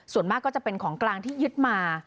ส่วนมากก็จะเป็นของกลางที่ยึดมา